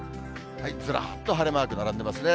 ずらっと晴れマーク、並んでますね。